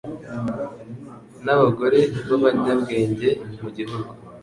n’abagore b’abanyabwenge mu gihugu.